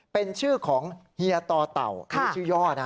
เป็นชื่อของเฮียต่อเต่าชื่อย่อนะ